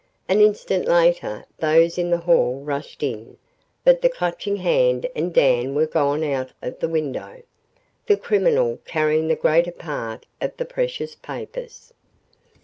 An instant later those in the hall rushed in. But the Clutching Hand and Dan were gone out of the window, the criminal carrying the greater part of the precious papers.